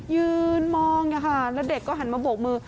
ยืนมองแล้วเด็กก็หันมาโบกมือ